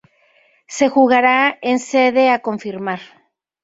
Se jugará en sede a confirmar.